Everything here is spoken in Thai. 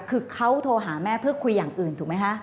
คือเขาโทรหาแม่เพื่อคุยอย่างอื่นถูกไหมคะ